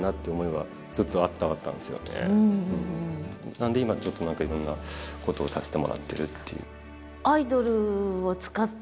なので今ちょっといろんなことをさせてもらってるっていう。